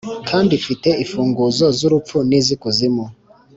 kandi mfite imfunguzo z’urupfu n’iz’ikuzimu.